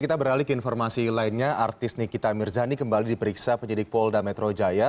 kita beralih ke informasi lainnya artis nikita mirzani kembali diperiksa penyidik polda metro jaya